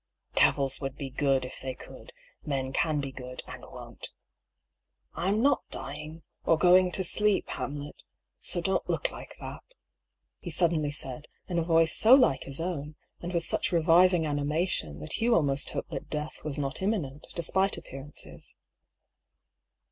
" Devils would be good if they could ; men can be good, and won't. Fm not dying, or going to sleep, Hamlet, so don't look like that," he sud 96 DR PAULL'S THEORY. denly said, in a voice so like his own, and with such re Tiving animation, that Hugh almost hoped that death was not imminent, despite appearances.